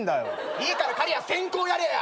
いいから仮屋先攻やれよ。